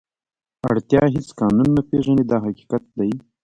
اړتیا هېڅ قانون نه پېژني دا حقیقت دی.